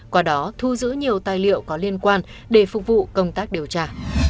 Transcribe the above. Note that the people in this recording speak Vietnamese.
qua đó thu giữ nhiều tài liệu có liên quan để phục vụ công tác điều tra